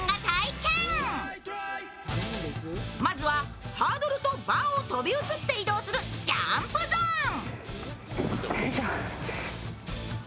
まずはハードルとバーを飛び移って移動するジャンプゾーン。